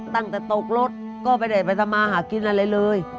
ตั้งแต่ตกรถก็ไม่ได้ไปทำมาหากินอะไรเลย